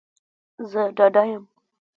زه ډاډه یم